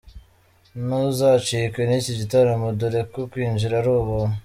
Ntuzacikwe n'iki gitaramo dore ko kwinjira ari ubuntu.